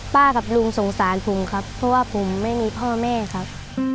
กับลุงสงสารผมครับเพราะว่าผมไม่มีพ่อแม่ครับ